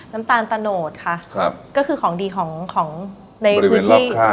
น้ำตาลตะโนดค่ะก็คือของดีของในบริเวณรอบข้าง